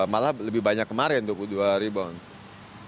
malah lebih banyak kemarin dua puluh dua rebound